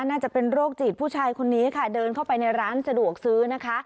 น่าจะเป็นโรคจิตผู้ชายคนนี้ค่ะเดินเข้าไปในร้านสะดวกซื้อนะคะ